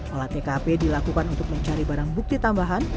olah tkp dilakukan untuk mencari barang bukti tambahan